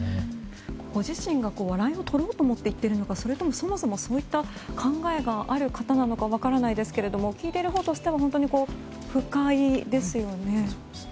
ご自身が笑いをとろうと思って言っているのかそれとも、そもそもそういった考えがある方なのか分からないですけど聞いているほうとしては本当に不快ですよね。